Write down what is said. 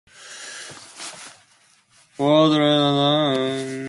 Followers of Reyes were known as "Reyistas".